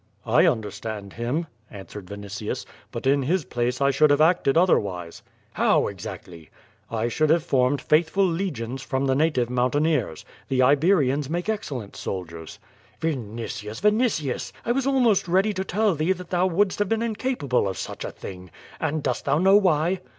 "I understand him," answered Vinitius, "but in his place I should have acted other\iise." "How exactly?" "I should have formed faithful legions from the native mountaineers. The Iberians make excellent soldiers." "Vinitius, Vinitius, I was almost ready to tell thee that thou wouldst have been incapable of such a thing. And dost thou know why?